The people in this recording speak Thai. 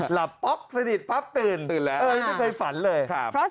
หลับป๊อกสดิทป๊อกตื่นไม่เคยฝันเลย